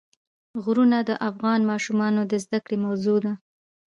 غرونه د افغان ماشومانو د زده کړې موضوع ده.